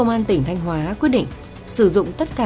mất tích hai ngày